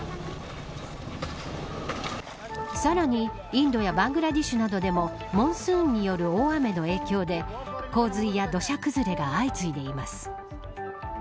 さらにインドやバングラデシュなどでもモンスーンによる大雨の影響で洪水や土砂崩れが相次いでいます。